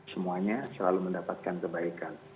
semuanya selalu mendapatkan kebaikan